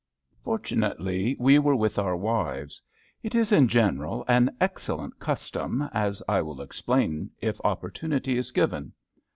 Fortunately we were with our wives. It is in general an excellent custom, as I will explain if opportunity is given.